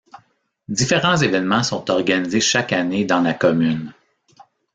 Différents évènements sont organisés chaque année dans la commune.